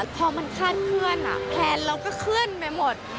พอมันคาดเคลื่อนแพลนเราก็เคลื่อนไปหมด